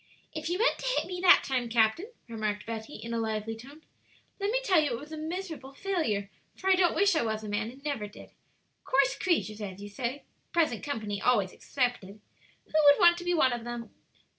"If you meant to hit me that time, captain," remarked Betty, in a lively tone, "let me tell you it was a miserable failure, for I don't wish I was a man, and never did. Coarse creatures, as you say present company always excepted who would want to be one of them."